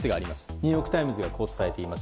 ニューヨーク・タイムズがこう伝えています。